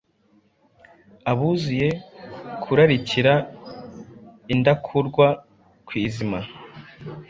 abuzuye kurarikira, indakurwa ku izima,